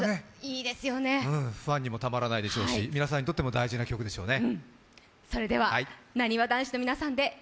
ファンにもたまらないでしょうし、皆さんにとっても大事な曲でしょうね。